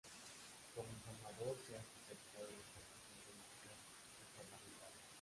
Como informador se ha especializado en información política y parlamentaria.